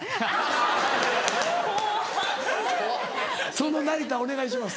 その成田お願いします。